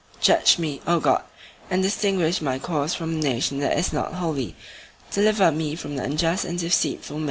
Judge me, O God, and distinguish my cause from the nation that is not holy: deliver me from the unjust and deceitful man.